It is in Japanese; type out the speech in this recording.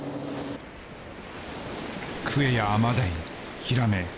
クエやアマダイヒラメ